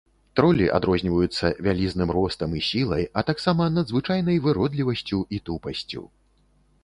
Тролі адрозніваюцца вялізным ростам і сілай, а таксама надзвычайнай выродлівасцю і тупасцю.